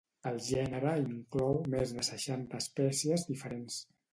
El gènere inclou més de seixanta espècies diferents.